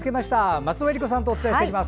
松尾衣里子さんとお伝えしていきます。